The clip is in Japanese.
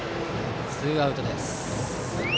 ツーアウトです。